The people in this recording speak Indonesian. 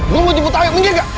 gue mau jeput tawet minggir gak